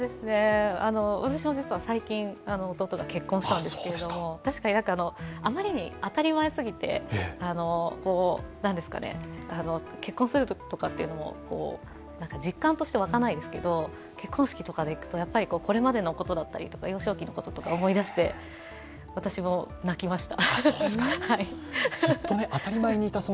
私も実は最近、弟が結婚したんですけれども、確かに、あまりに当たり前すぎて結婚するというのも実感として沸かないですけど、結婚式とかに行くと、これまでのことだったり幼少期のことを思い出して私も泣きました。